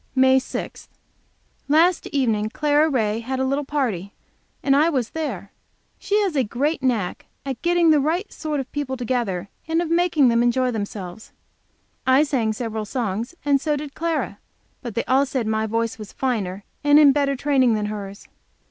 MAY 6. Last evening Clara Ray had a little party and I was there. She has a great knack at getting the right sort of people together, and of making them enjoy themselves. I sang several songs, and so did Clara, but they all said my voice was finer and in better training than hers.